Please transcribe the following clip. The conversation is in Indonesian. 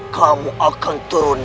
kamu akan turun